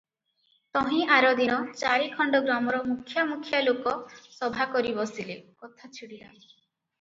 ତହିଁ ଆରଦିନ ଚାରିଖଣ୍ଡ ଗ୍ରାମର ମୁଖ୍ୟା ମୁଖ୍ୟା ଲୋକ ସଭା କରି ବସିଲେ, କଥା ଛିଡ଼ିଲା ।